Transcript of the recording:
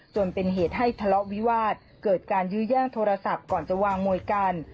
จนเป็นเหตุให้ทะเลาะวิวาสเกิดการยื้อแย่งโทรศัพท์ก่อนจะวางมวยกัน